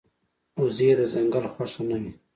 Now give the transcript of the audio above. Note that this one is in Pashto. وزې د ځنګل خوښه نه وي